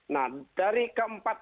nah dari keempat